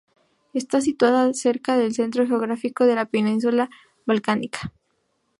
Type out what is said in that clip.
Está situada cerca del centro geográfico de la península Balcánica.